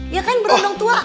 iya kan berondong tua